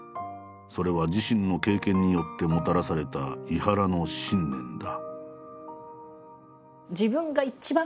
それは自身の経験によってもたらされた井原の信念だ。